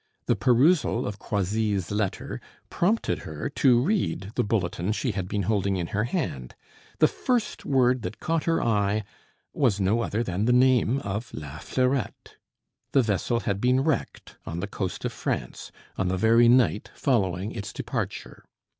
The perusal of Croisilles' letter prompted her to read the bulletin she had been holding in her hand; the first word that caught her eye was no other than the name of La Fleurette. The vessel had been wrecked on the coast of France, on the very night following its departure.